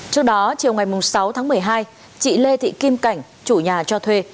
trước đó chiều ngày sáu tháng một mươi hai chị lê thị kim cảnh chủ nhà cho thuê